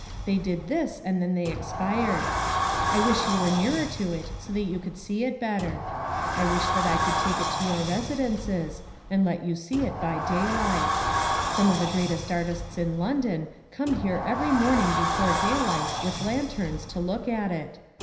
They did this, and then they expired. I wish you were nearer to it so that you could see it better. I 121 Essays and Literary Studies wish I could take it to your residences, and let you see it by daylight. Some of the greatest artists in London come here every morning before daylight with lanterns to look at it.